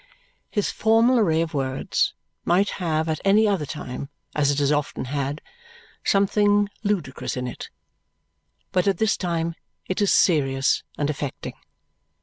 His formal array of words might have at any other time, as it has often had, something ludicrous in it, but at this time it is serious and affecting.